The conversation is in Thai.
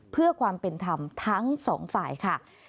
เพื่อความเป็นธรรมทั้งสองฝ่ายค่ะ